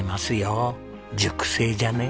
熟成じゃね？